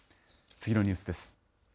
次のニュースです。